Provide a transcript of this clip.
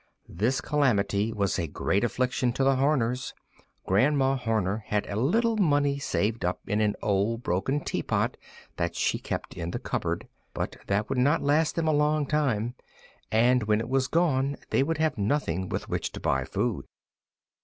This calamity was a great affliction to the Horners. Grandma Horner had a little money saved up in an old broken teapot that she kept in the cupboard, but that would not last them a great time, and when it was gone they would have nothing with which to buy food.